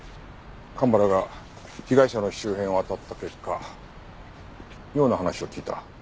蒲原が被害者の周辺をあたった結果妙な話を聞いた。